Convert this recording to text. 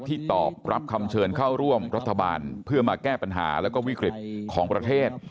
ตอบรับคำเชิญเข้าร่วมรัฐบาลเพื่อมาแก้ปัญหาแล้วก็วิกฤตของประเทศ